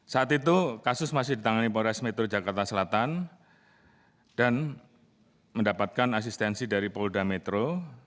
saat itu kasus masih ditangani polres metro jakarta selatan dan mendapatkan asistensi dari polda metro